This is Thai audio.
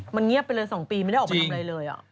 มันเงียบไปเลย๒ปีไม่ได้ออกมาทำอะไรเลย